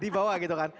di bawah gitu kan